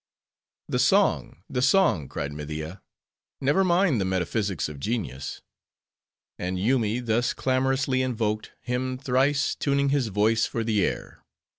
"The song! the song!" cried Media. "Never mind the metaphysics of genius." And Yoomy, thus clamorously invoked, hemmed thrice, tuning his voice for the air.